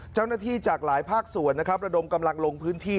เจ้าหน้าที่จากหลายภาคส่วนระดมกำลังลงพื้นที่